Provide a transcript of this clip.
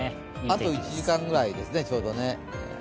あと１時間くらいですね、ちょうどね。